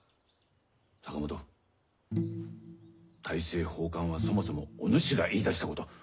大政奉還はそもそもお主が言いだしたこと。